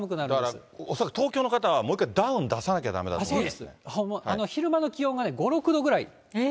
だから恐らく東京の方は、もう一回ダウン出さなきゃいけない昼間の気温がね、５、６度ぐらい。